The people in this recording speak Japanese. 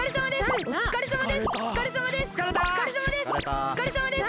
おつかれさまです！